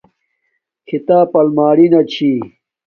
کھیتاپ الیمارنا چھی